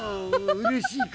うれしいか？